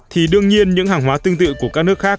thì đương nhiên những hàng hóa tương tự của các nước khác